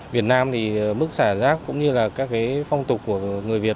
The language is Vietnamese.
việt nam thì mức xả rác cũng như là các cái phong tục của người việt